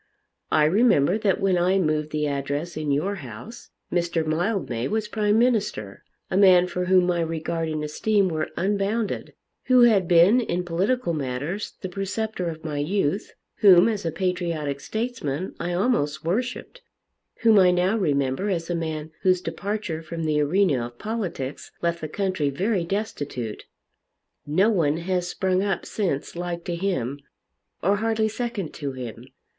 I remember that when I moved the address in your house Mr. Mildmay was Prime Minister, a man for whom my regard and esteem were unbounded, who had been in political matters the preceptor of my youth, whom as a patriotic statesman I almost worshipped, whom I now remember as a man whose departure from the arena of politics left the country very destitute. No one has sprung up since like to him, or hardly second to him.